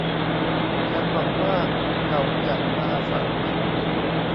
ฉันหวังว่าเขาจะมาฟังมัน